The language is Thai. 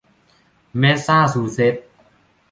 แมสซาชูเซ็ทส์